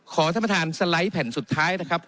ขอท่านประธานสไลด์แผ่นสุดท้ายนะครับ